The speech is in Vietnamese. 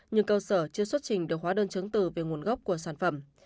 nhưng cơ sở chưa xuất trình được hóa đơn chứng từ về nguồn gốc của sản phẩm